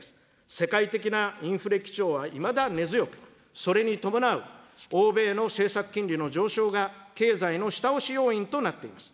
世界的なインフレ基調はいまだ根強く、それに伴う欧米の政策金利の上昇が、経済の下押し要因となっています。